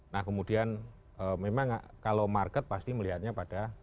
nah kemudian memang kalau market pasti melihatnya pada